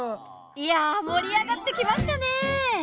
いや盛り上がってきましたね！